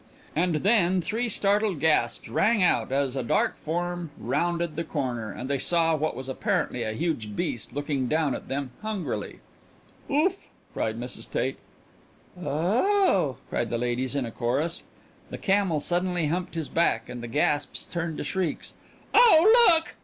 And then three startled gasps rang out as a dark brown form rounded the corner, and they saw what was apparently a huge beast looking down at them hungrily. "Oof!" cried Mrs. Tate. "O o oh!" cried the ladies in a chorus. The camel suddenly humped his back, and the gasps turned to shrieks. "Oh look!"